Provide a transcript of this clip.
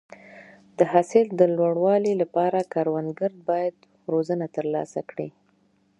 د حاصل د لوړوالي لپاره کروندګر باید روزنه ترلاسه کړي.